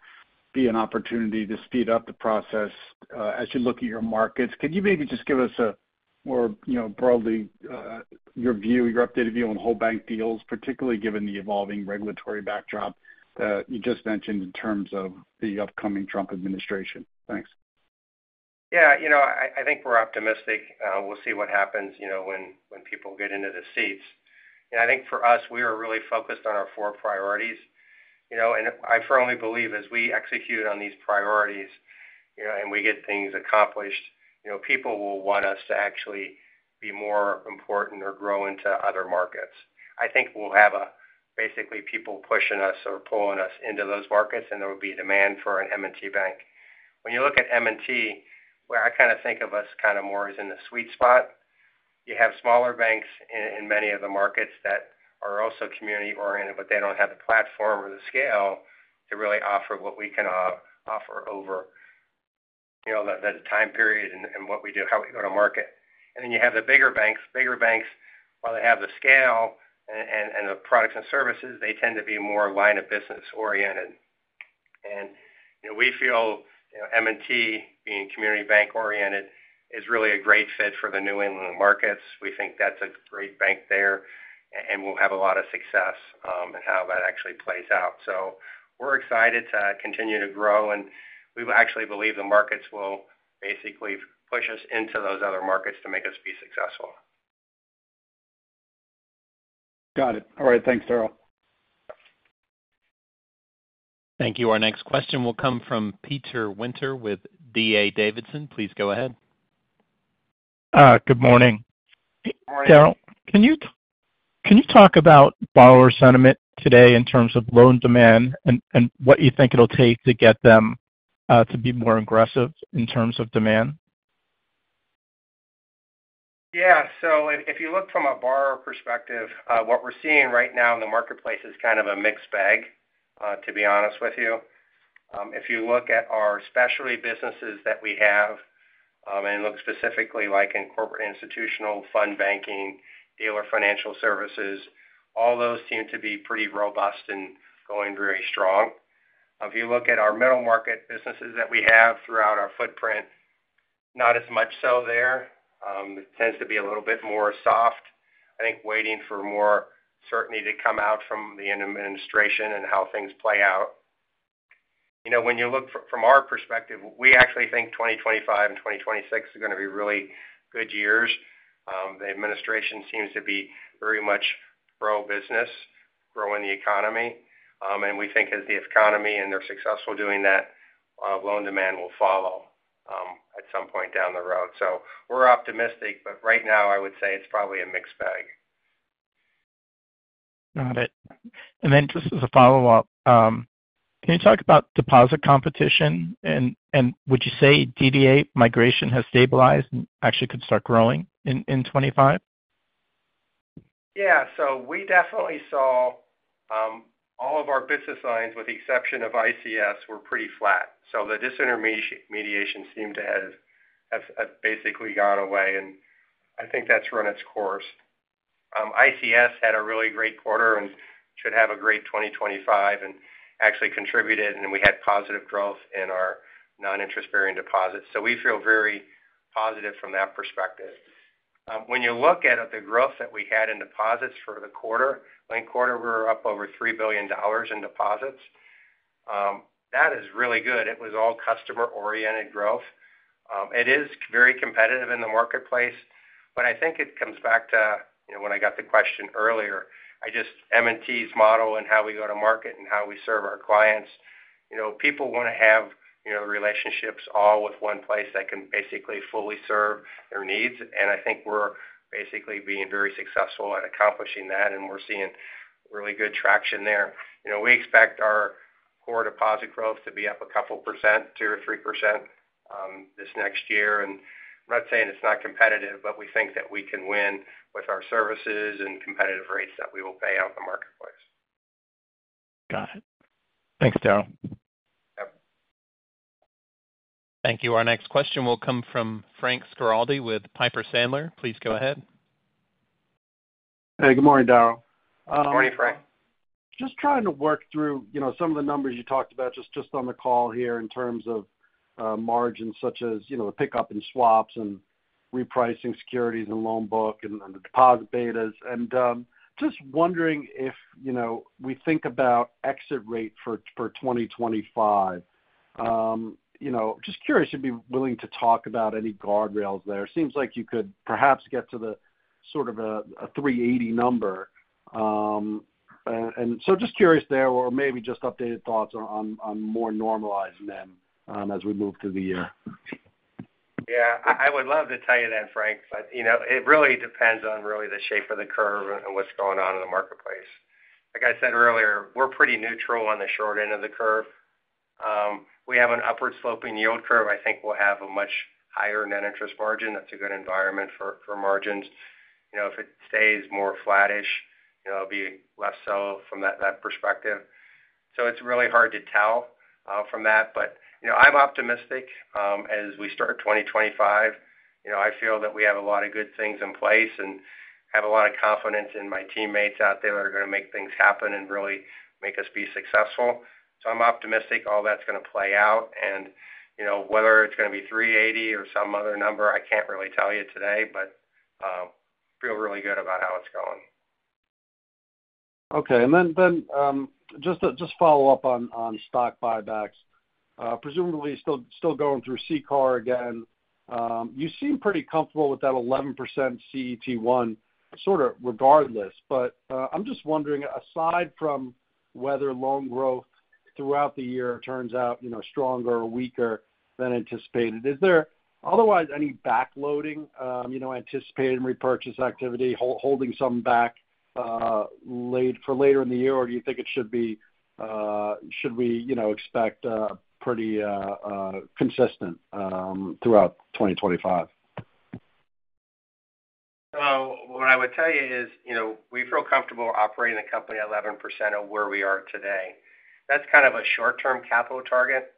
be an opportunity to speed up the process as you look at your markets. Could you maybe just give us a more broadly your view, your updated view on whole bank deals, particularly given the evolving regulatory backdrop that you just mentioned in terms of the upcoming Trump administration? Thanks. Yeah. I think we're optimistic. We'll see what happens when people get into the seats. And I think for us, we are really focused on our four priorities. And I firmly believe as we execute on these priorities and we get things accomplished, people will want us to actually be more important or grow into other markets. I think we'll have basically people pushing us or pulling us into those markets, and there will be demand for an M&T Bank. When you look at M&T, where I kind of think of us kind of more as in the sweet spot, you have smaller banks in many of the markets that are also community-oriented, but they don't have the platform or the scale to really offer what we can offer over the time period and what we do, how we go to market, and then you have the bigger banks. Bigger banks, while they have the scale and the products and services, they tend to be more line-of-business oriented, and we feel M&T, being community bank-oriented, is really a great fit for the New England markets. We think that's a great bank there, and we'll have a lot of success in how that actually plays out, so we're excited to continue to grow. And we actually believe the markets will basically push us into those other markets to make us be successful. Got it. All right. Thanks, Daryl. Thank you. Our next question will come from Peter Winter with D.A. Davidson. Please go ahead. Good morning. Good morning. Daryl, can you talk about borrower sentiment today in terms of loan demand and what you think it'll take to get them to be more aggressive in terms of demand? Yeah. So if you look from a borrower perspective, what we're seeing right now in the marketplace is kind of a mixed bag, to be honest with you. If you look at our specialty businesses that we have, and look specifically like in corporate institutional fund banking, dealer financial services, all those seem to be pretty robust and going very strong. If you look at our middle market businesses that we have throughout our footprint, not as much so there. It tends to be a little bit more soft. I think waiting for more certainty to come out from the administration and how things play out. When you look from our perspective, we actually think 2025 and 2026 are going to be really good years. The administration seems to be very much pro-business, growing the economy. And we think as the economy and they're successful doing that, loan demand will follow at some point down the road. So we're optimistic. But right now, I would say it's probably a mixed bag. Got it. And then just as a follow-up, can you talk about deposit competition? And would you say DDA migration has stabilized and actually could start growing in 2025? Yeah. So we definitely saw all of our business lines, with the exception of ICS, were pretty flat. So the disintermediation seemed to have basically gone away. And I think that's run its course. ICS had a really great quarter and should have a great 2025 and actually contributed. And we had positive growth in our non-interest bearing deposits. So we feel very positive from that perspective. When you look at the growth that we had in deposits for the quarter, late quarter, we were up over $3 billion in deposits. That is really good. It was all customer-oriented growth. It is very competitive in the marketplace. But I think it comes back to when I got the question earlier, M&T's model and how we go to market and how we serve our clients. People want to have relationships all with one place that can basically fully serve their needs. And I think we're basically being very successful at accomplishing that. And we're seeing really good traction there. We expect our core deposit growth to be up a couple %, 2 or 3% this next year. And I'm not saying it's not competitive, but we think that we can win with our services and competitive rates that we will pay out in the marketplace. Got it. Thanks, Daryl. Yep. Thank you. Our next question will come from Frank Schiraldi with Piper Sandler. Please go ahead. Hey, good morning, Daryl. Good morning, Frank. Just trying to work through some of the numbers you talked about just on the call here in terms of margins such as the pickup and swaps and repricing securities and loan book and the deposit betas. Just wondering if we think about exit rate for 2025, just curious if you'd be willing to talk about any guardrails there. It seems like you could perhaps get to sort of a 380 number. Just curious there or maybe just updated thoughts on more normalizing them as we move through the year. Yeah. I would love to tell you that, Frank. It really depends on really the shape of the curve and what's going on in the marketplace. Like I said earlier, we're pretty neutral on the short end of the curve. We have an upward-sloping yield curve. I think we'll have a much higher net interest margin. That's a good environment for margins. If it stays more flattish, it'll be less so from that perspective. It's really hard to tell from that. I'm optimistic as we start 2025. I feel that we have a lot of good things in place and have a lot of confidence in my teammates out there that are going to make things happen and really make us be successful, so I'm optimistic all that's going to play out. And whether it's going to be 380 or some other number, I can't really tell you today, but I feel really good about how it's going. Okay, and then just to follow up on stock buybacks, presumably still going through CCAR again, you seem pretty comfortable with that 11% CET1 sort of regardless, but I'm just wondering, aside from whether loan growth throughout the year turns out stronger or weaker than anticipated, is there otherwise any backloading, anticipated repurchase activity, holding some back for later in the year, or do you think it should be, should we expect pretty consistent throughout 2025? So what I would tell you is we feel comfortable operating a company at 11% of where we are today. That's kind of a short-term capital target.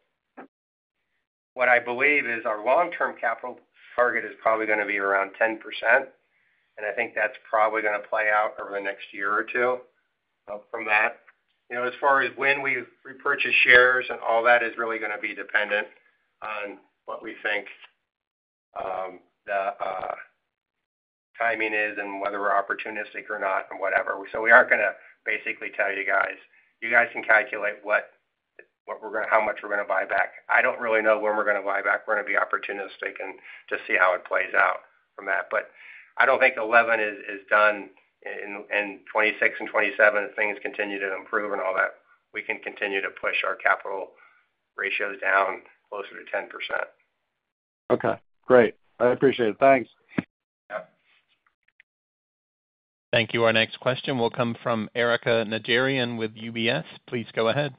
What I believe is our long-term capital target is probably going to be around 10%. And I think that's probably going to play out over the next year or two from that. As far as when we repurchase shares and all that is really going to be dependent on what we think the timing is and whether we're opportunistic or not and whatever. So we aren't going to basically tell you guys. You guys can calculate how much we're going to buy back. I don't really know when we're going to buy back. We're going to be opportunistic and just see how it plays out from that. But I don't think 11 is done. In 2026 and 2027, if things continue to improve and all that, we can continue to push our capital ratios down closer to 10%. Okay. Great. I appreciate it. Thanks. Yep. Thank you. Our next question will come from Erika Najarian with UBS. Please go ahead.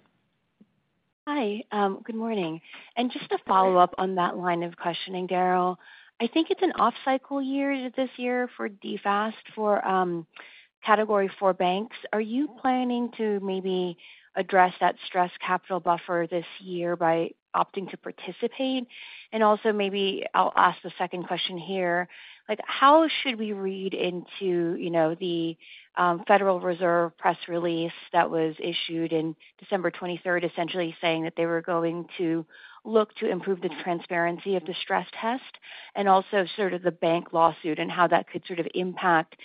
Hi. Good morning. And just to follow up on that line of questioning, Daryl, I think it's an off-cycle year this year for DFAST for category four banks. Are you planning to maybe address that stress capital buffer this year by opting to participate? And also maybe I'll ask the second question here. How should we read into the Federal Reserve press release that was issued on December 23rd, essentially saying that they were going to look to improve the transparency of the stress test and also sort of the bank lawsuit and how that could sort of impact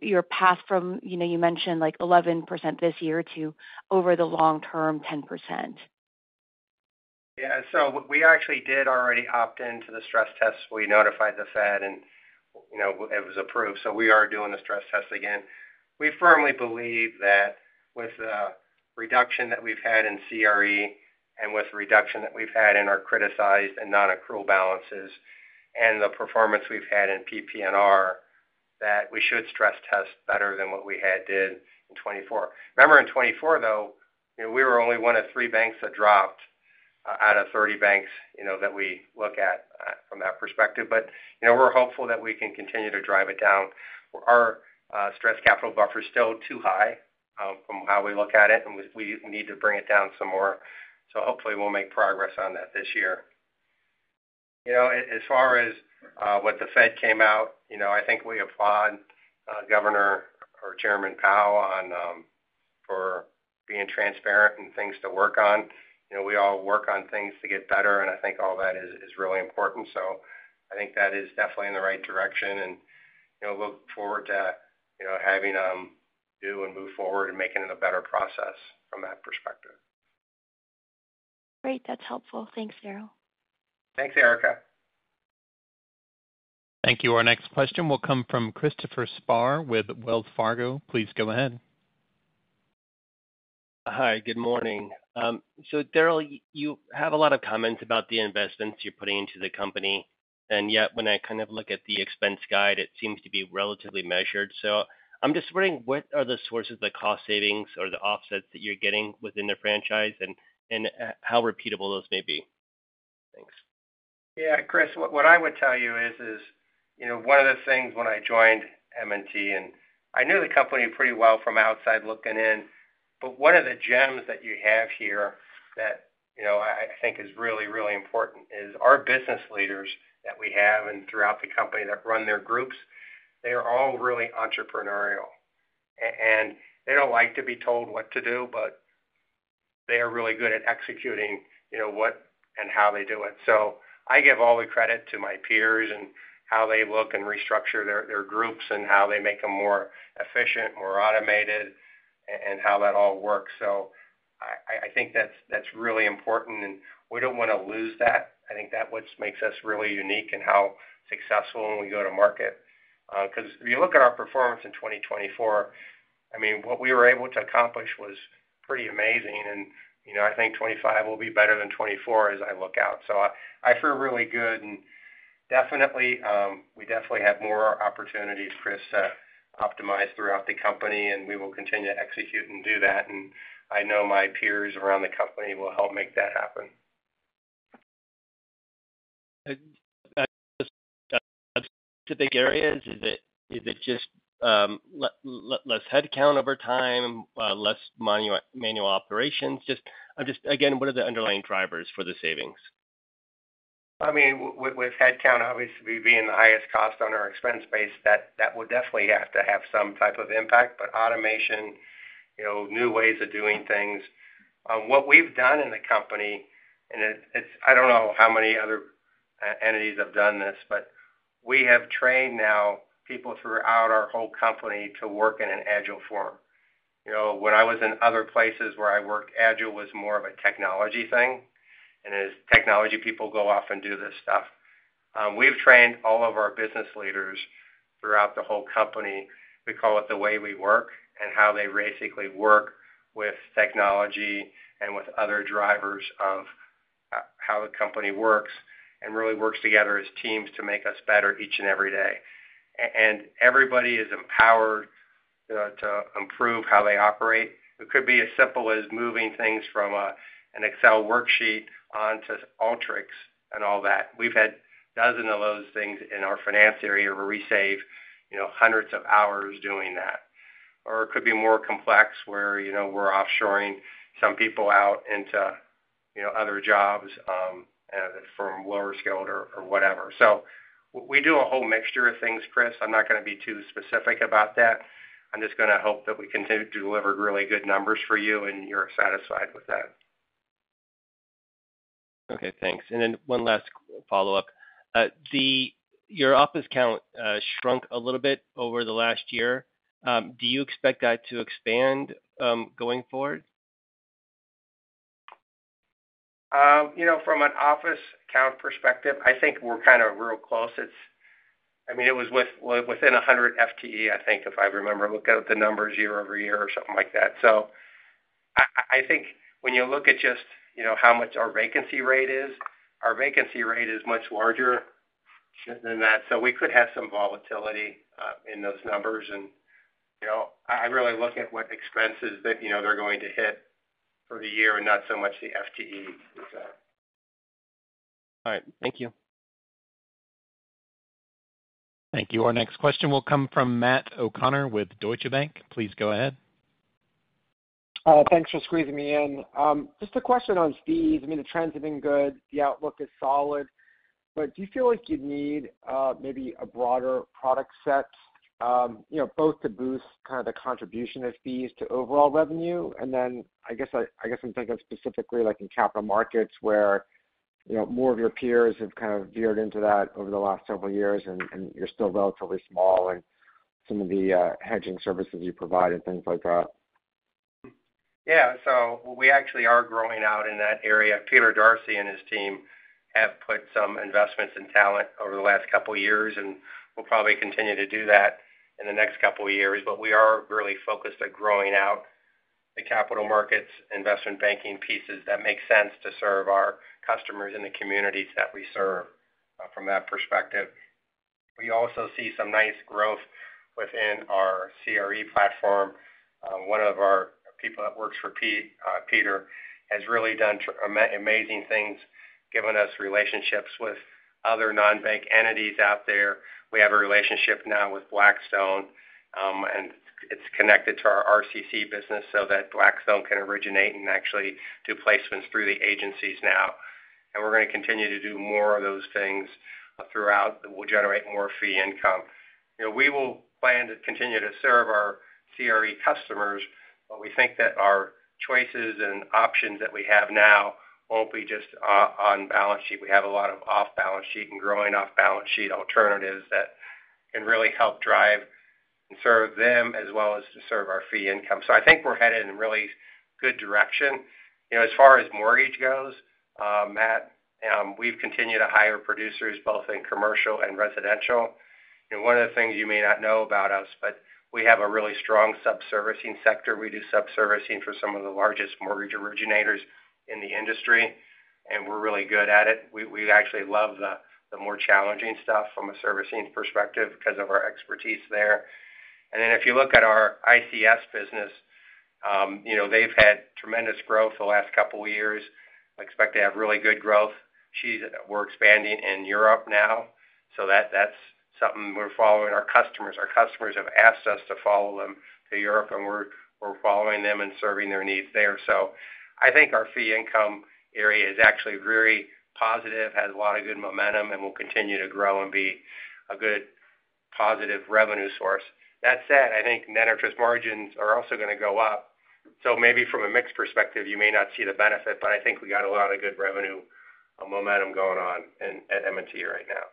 your path from, you mentioned, 11% this year to over the long-term 10%? Yeah. So we actually did already opt into the stress test. We notified the Fed, and it was approved. So we are doing the stress test again. We firmly believe that with the reduction that we've had in CRE and with the reduction that we've had in our criticized and non-accrual balances and the performance we've had in PP&R, that we should stress test better than what we had did in 2024. Remember, in 2024, though, we were only one of three banks that dropped out of 30 banks that we look at from that perspective. But we're hopeful that we can continue to drive it down. Our stress capital buffer is still too high from how we look at it, and we need to bring it down some more. So hopefully, we'll make progress on that this year. As far as what the Fed came out, I think we applaud Governor or Chairman Powell for being transparent and things to work on. We all work on things to get better, and I think all that is really important. So I think that is definitely in the right direction and look forward to having them do and move forward and making it a better process from that perspective. Great. That's helpful. Thanks, Daryl. Thanks, Erika. Thank you. Our next question will come from Christopher Spahr with Wells Fargo. Please go ahead. Hi. Good morning. So Daryl, you have a lot of comments about the investments you're putting into the company. And yet, when I kind of look at the expense guide, it seems to be relatively measured. So I'm just wondering, what are the sources of the cost savings or the offsets that you're getting within the franchise and how repeatable those may be? Thanks. Yeah. Chris, what I would tell you is one of the things when I joined M&T, and I knew the company pretty well from outside looking in, but one of the gems that you have here that I think is really, really important is our business leaders that we have and throughout the company that run their groups. They are all really entrepreneurial, and they don't like to be told what to do, but they are really good at executing what and how they do it. So I give all the credit to my peers and how they look and restructure their groups and how they make them more efficient, more automated, and how that all works. So I think that's really important, and we don't want to lose that. I think that's what makes us really unique and how successful we go to market. Because if you look at our performance in 2024, I mean, what we were able to accomplish was pretty amazing. And I think 2025 will be better than 2024 as I look out. So I feel really good. And definitely, we definitely have more opportunities, Chris, to optimize throughout the company. And we will continue to execute and do that. I know my peers around the company will help make that happen. Just specific areas, is it just less headcount over time, less manual operations? Just again, what are the underlying drivers for the savings? I mean, with headcount, obviously, being the highest cost on our expense base, that would definitely have to have some type of impact. But automation, new ways of doing things. What we've done in the company, and I don't know how many other entities have done this, but we have trained now people throughout our whole company to work in an Agile form. When I was in other places where I worked, Agile was more of a technology thing. As technology people go off and do this stuff, we've trained all of our business leaders throughout the whole company. We call it the way we work and how they basically work with technology and with other drivers of how the company works and really works together as teams to make us better each and every day, and everybody is empowered to improve how they operate. It could be as simple as moving things from an Excel worksheet onto Alteryx and all that. We've had dozens of those things in our finance area where we save hundreds of hours doing that. Or it could be more complex where we're offshoring some people out into other jobs from lower scaled or whatever. So we do a whole mixture of things, Chris. I'm not going to be too specific about that. I'm just going to hope that we continue to deliver really good numbers for you, and you're satisfied with that. Okay. Thanks, and then one last follow-up. Your office count shrunk a little bit over the last year. Do you expect that to expand going forward? From an office count perspective, I think we're kind of real close. I mean, it was within 100 FTE, I think, if I remember. Look at the numbers year over year or something like that. So I think when you look at just how much our vacancy rate is, our vacancy rate is much larger than that. So we could have some volatility in those numbers, and I really look at what expenses they're going to hit for the year and not so much the FTE itself. All right. Thank you. Thank you. Our next question will come from Matt O'Connor with Deutsche Bank. Please go ahead. Thanks for squeezing me in. Just a question on fees. I mean, the trends have been good. The outlook is solid. But do you feel like you'd need maybe a broader product set both to boost kind of the contribution of fees to overall revenue? And then I guess I'm thinking specifically in capital markets where more of your peers have kind of veered into that over the last several years, and you're still relatively small in some of the hedging services you provide and things like that. Yeah. So we actually are growing out in that area. Peter Dorsey and his team have put some investments in talent over the last couple of years, and we'll probably continue to do that in the next couple of years. But we are really focused on growing out the capital markets, investment banking pieces that make sense to serve our customers and the communities that we serve from that perspective. We also see some nice growth within our CRE platform. One of our people that works for Peter has really done amazing things, given us relationships with other non-bank entities out there. We have a relationship now with Blackstone, and it's connected to our RCC business so that Blackstone can originate and actually do placements through the agencies now. And we're going to continue to do more of those things throughout that will generate more fee income. We will plan to continue to serve our CRE customers, but we think that our choices and options that we have now won't be just on balance sheet. We have a lot of off-balance sheet and growing off-balance sheet alternatives that can really help drive and serve them as well as to serve our fee income. So I think we're headed in a really good direction. As far as mortgage goes, Matt, we've continued to hire producers both in commercial and residential. One of the things you may not know about us, but we have a really strong sub-servicing sector. We do sub-servicing for some of the largest mortgage originators in the industry, and we're really good at it. We actually love the more challenging stuff from a servicing perspective because of our expertise there, and then if you look at our ICS business, they've had tremendous growth the last couple of years. I expect they have really good growth. We're expanding in Europe now, so that's something we're following. Our customers have asked us to follow them to Europe, and we're following them and serving their needs there, so I think our fee income area is actually very positive, has a lot of good momentum, and will continue to grow and be a good positive revenue source. That said, I think net interest margins are also going to go up. So maybe from a mixed perspective, you may not see the benefit, but I think we got a lot of good revenue momentum going on at M&T right now.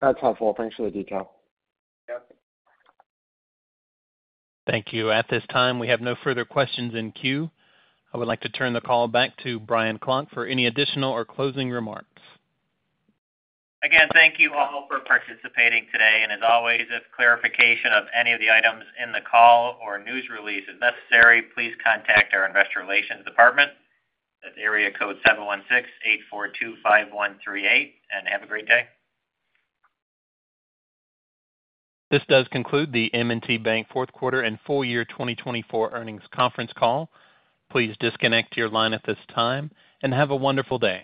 That's helpful. Thanks for the detail. Yep. Thank you. At this time, we have no further questions in queue. I would like to turn the call back to Brian Klock for any additional or closing remarks. Again, thank you all for participating today. And as always, if clarification of any of the items in the call or news release is necessary, please contact our investor relations department. That's area code 716-842-5138. And have a great day. This does conclude the M&T Bank Fourth Quarter and Full Year 2024 Earnings Conference Call. Please disconnect your line at this time and have a wonderful day.